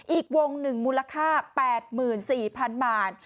อีกวงหนึ่งมูลค่า๘๔๐๐๐บาท